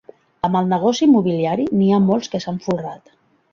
Amb el negoci immobiliari, n'hi ha molts que s'han folrat.